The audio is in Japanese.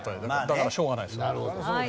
だからしょうがないですよね。